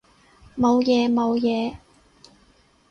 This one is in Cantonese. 冇嘢冇嘢